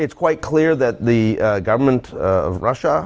sudah jelas bahwa pemerintah rusia